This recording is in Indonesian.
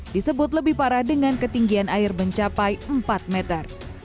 disebut lebih parah dengan ketinggian air mencapai empat meter